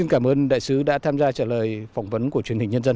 chúng tôi đã tham gia trả lời phỏng vấn của truyền hình nhân dân